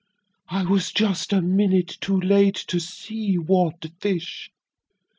I was just a minute too late to see what fish.